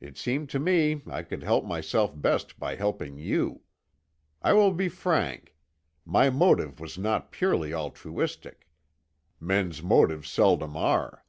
It seemed to me I could help myself best by helping you. I will be frank. My motive was not purely altruistic. Men's motives seldom are."